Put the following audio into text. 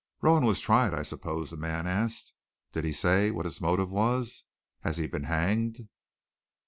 "Rowan was tried, I suppose?" the man asked. "Did he say what his motive was? Has he been hanged?"